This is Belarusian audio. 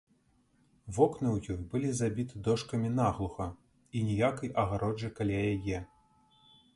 Вокны ў ёй былі забіты дошкамі наглуха, і ніякай агароджы каля яе.